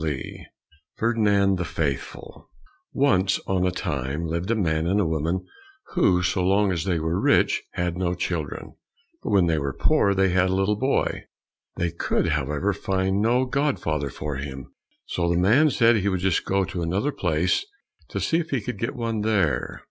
126 Ferdinand the Faithful Once on a time lived a man and a woman who so long as they were rich had no children, but when they were poor they had a little boy. They could, however, find no godfather for him, so the man said he would just go to another place to see if he could get one there.